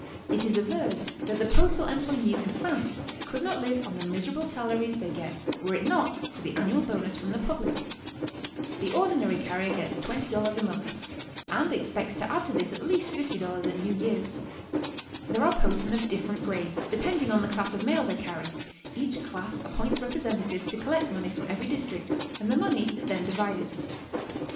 It is averred that the postal employes in France could not live on the miserable salaries they get were it not for the annual bonus from the public. The ordinary carrier gets $20 a month, and expects to add to this at least $50 at New Year's. There are postmen of different grades, depending on the class of mail they carry; each class appoints representatives to collect money from every district, and the money is then divided.